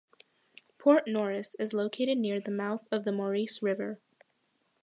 Port Norris is located near the mouth of the Maurice River.